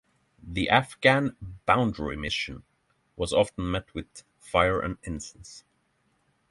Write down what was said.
The Afghan Boundary Mission was often met with fire and incense.